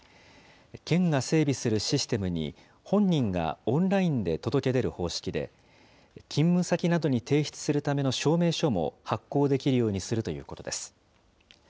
県が整備するシステムに、本人がオンラインで届け出る方式で、勤務先などに提出するための証明書も発行できるようにするということです。